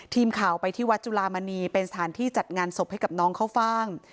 ทีมข่าวไปที่วัดจุลามณีเป็นสถานที่จัดงานศพให้กับน้องข้าวฟ่าง